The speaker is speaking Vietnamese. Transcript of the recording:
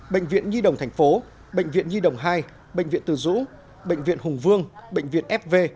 bệnh viện nhi đồng tp bệnh viện nhi đồng hai bệnh viện từ dũ bệnh viện hùng vương bệnh viện fv